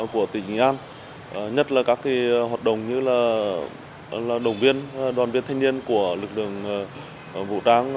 của tỉnh nghệ an nhất là các hoạt động như là động viên đoàn viên thanh niên của lực lượng vũ trang